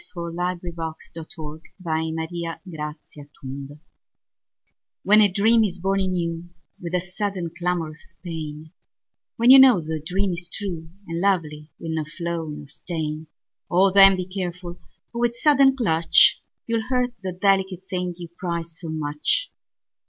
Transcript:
1920. Robert Graves1895–1985 A Pinch of Salt WHEN a dream is born in youWith a sudden clamorous pain, When you know the dream is trueAnd lovely, with no flaw nor stain,O then, be careful, or with sudden clutchYou'll hurt the delicate thing you prize so much.